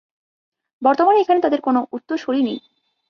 বর্তমানে এখানে তাদের কোনো উত্তরসূরি নেই।